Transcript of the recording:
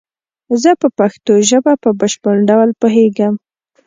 زه په پشتو ژبه په بشپړ ډول پوهیږم